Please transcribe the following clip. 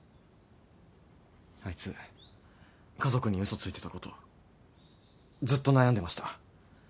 あいつ家族に嘘ついてたことずっと悩んでました。